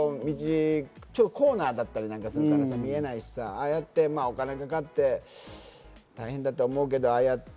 コーナーだったりするから見えないだろうし、お金かかって大変だと思うけど。